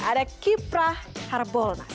ada kiprah harbolnas